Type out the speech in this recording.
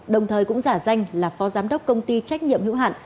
đồng thời cũng giả danh là phó giám đốc công ty trách nhiệm hữu hạn